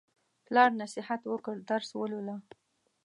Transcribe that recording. پلار نصیحت وکړ: درس ولوله.